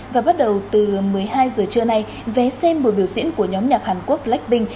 và bắt đầu từ một mươi hai giờ trưa nay vé xem buổi biểu diễn của nhóm nhạc hàn quốc blackpink